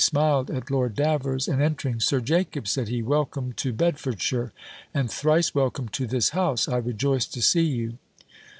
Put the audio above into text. smiled at Lord Davers, and entering, "Sir Jacob," said he, "welcome to Bedfordshire; and thrice welcome to this house; I rejoice to see you."